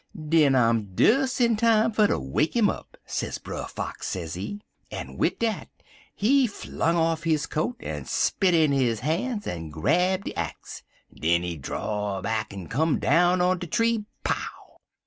"'Den I'm des in time fer ter wake im up, sez Brer Fox, sezee. En wid dat he fling off his coat, en spit in his han's, en grab de axe. Den he draw back en come down on de tree pow!